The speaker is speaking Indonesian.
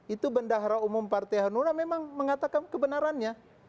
itu bendahara umum partai hanura memang mengatakan kebenarannya